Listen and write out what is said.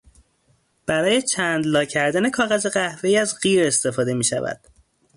برای چند لا کردن کاغذ قهوهای از قیر استفاده میشود.